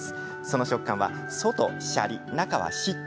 その食感は外、シャリっ！